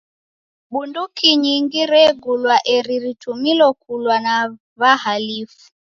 Bunduki nyingi regulwa eri ritumilo kulwa na w'ahalifu.